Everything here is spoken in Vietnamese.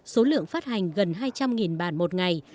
số lượng phát hành gần hai trăm linh bản một ngày